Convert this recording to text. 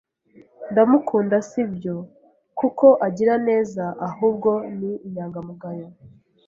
Ndamukunda sibyo kuko agira neza ahubwo ni inyangamugayo.